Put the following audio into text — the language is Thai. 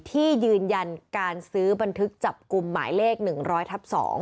ที่ยืนยันการซื้อบันทึกจับกลุ่มหมายเลข๑๐๐ทับ๒